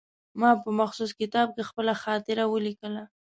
ما په مخصوص کتاب کې خپله خاطره ولیکله.